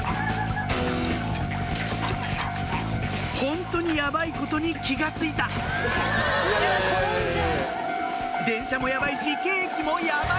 ホントにやばいことに気が付いた電車もやばいしケーキもやばい